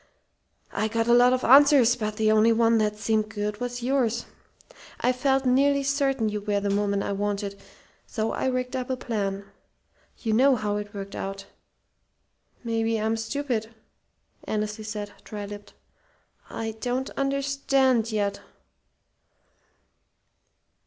I got a lot of answers, but the only one that seemed good was yours. I felt nearly certain you were the woman I wanted, so I rigged up a plan. You know how it worked out." "Maybe I'm stupid," Annesley said, dry lipped. "I don't understand yet."